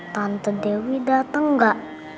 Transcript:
tante dewi dateng gak